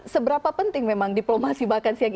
seberapa penting memang diplomasi makan siang